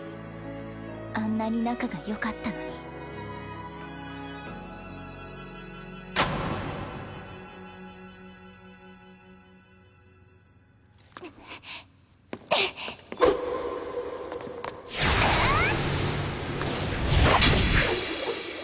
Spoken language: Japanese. あんなに仲がよかったのにはあっ！